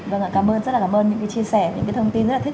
vâng ạ cảm ơn rất là cảm ơn